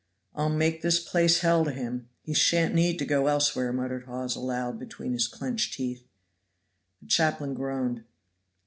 "I'll make this place hell to him. He shan't need to go elsewhere," muttered Hawes aloud between his clinched teeth. The chaplain groaned.